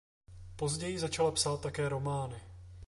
Později začala psát také romány.